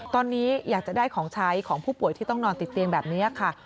ตอนนี้อยากจะได้ของใช้ของผู้ป่วยที่ต้องนอนติดเตียงแบบนี้ค่ะ